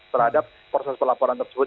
terhadap proses pelaporan tersebut